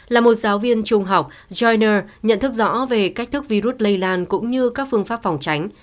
là một giáo viên trung học joyna nhận thức rõ về cách thức virus lây lan cũng như các phương pháp phòng tránh